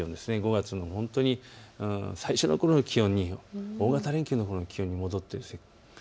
５月の最初のころの気温に、大型連休のころの気温に戻ってきます。